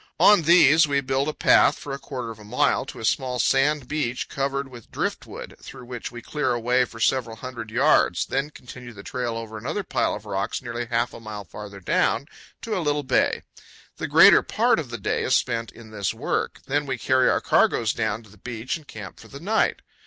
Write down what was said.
On these we build a path for a quarter of a mile to a small sand beach covered with driftwood, through which we clear a way for several 158 8 CANYONS OF THE COLORADO. hundred yards, then continue the trail over another pile of rocks nearly half a mile farther down, to a little bay. The greater part of the day is spent in this work. Then we carry our cargoes down to the beach and camp for the night.